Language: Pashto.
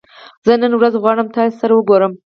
زه نن ورځ غواړم تاسې سره وګورم